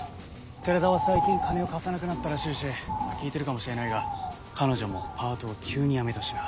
寺田は最近金を貸さなくなったらしいし聞いてるかもしれないが彼女もパートを急に辞めたしな。